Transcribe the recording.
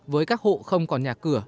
với các hộ không còn nhà cửa